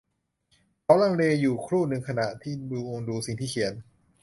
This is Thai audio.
เขาลังเลอยู่ครู่หนึ่งขณะที่มองดูสิ่งที่เขียน